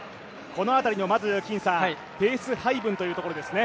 この辺りのペース配分というところですね。